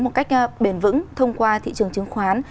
một cách bền vững thông qua thị trường chứng khoán